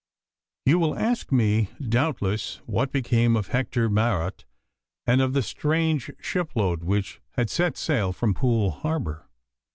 You will ask me doubtless what became of Hector Marot and of the strange shipload which had set sail from Poole Harbour.